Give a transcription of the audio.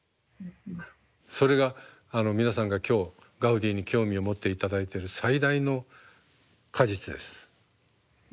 それが皆さんが今日ガウディに興味を持って頂いてる最大の果実です。